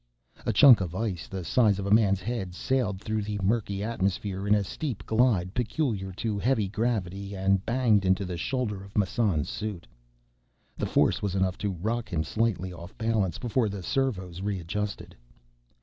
A chunk of ice the size of a man's head sailed through the murky atmosphere in a steep glide peculiar to heavy gravity and banged into the shoulder of Massan's suit. The force was enough to rock him slightly off balance before the servos readjusted.